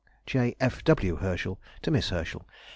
_] J. F. W. HERSCHEL TO MISS HERSCHEL.